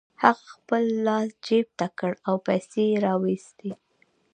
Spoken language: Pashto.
هغه خپل لاس جيب ته کړ او پيسې يې را و ايستې.